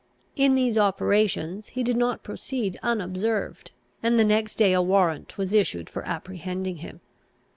In these operations he did not proceed unobserved, and the next day a warrant was issued for apprehending him.